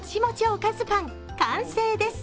おかずパン、完成です。